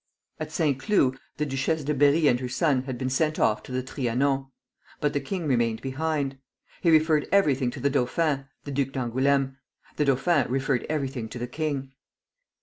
At Saint Cloud the Duchesse de Berri and her son had been sent off to the Trianon; but the king remained behind. He referred everything to the dauphin (the Duc d'Angoulême); the dauphin referred everything to the king.